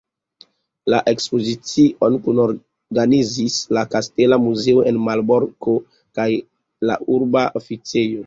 La ekspozicion kunorganizis la Kastela Muzeo en Malborko kaj la Urba Oficejo.